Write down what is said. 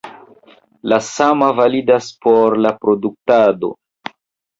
La sama validas por la produktado.